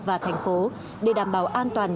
và thành phố để đảm bảo an toàn